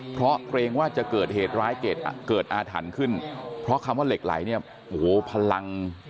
เพราะเกรงว่าจะเกิดเหตุร้ายเกิดอาถรรพ์ขึ้นเพราะคำว่าเหล็กไหลเนี่ยโอ้โหพลัง